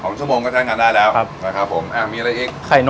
ตุ๋น๒ชั่วโมงก็ใช้งานได้ด้วยค่ะ